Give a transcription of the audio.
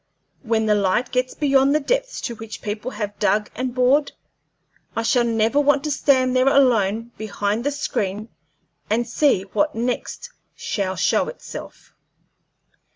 When the light gets beyond the depth to which people have dug and bored, I shall never want to stand there alone behind the screen and see what next shall show itself."